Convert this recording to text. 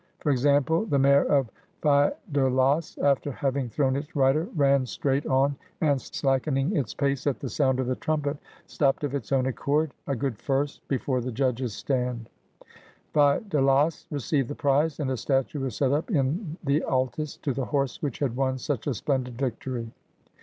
For example, the mare of Pheido las, after having thrown its^ rider, ran straight on, and ^ See the selection following. 69 GREECE slackening its pace at the sound of the trumpet, stopped of its own accord, a good first, before the judges' stand. Pheidolas received the prize, and a statue was set up in the Altis to the horse which had won such a splendid victory.